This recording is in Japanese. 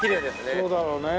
そうだろうねえ。